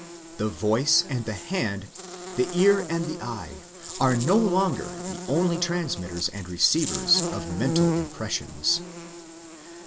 The voice and the hand, the ear and the eye, are no longer the only transmitters and receivers of mental impressions.